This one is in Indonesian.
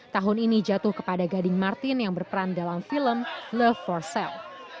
tahun ini jatuh kepada gading martin yang berperan dalam film love forcel